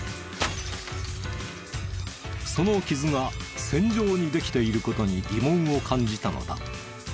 その傷が線状にできている事に疑問を感じたのだ。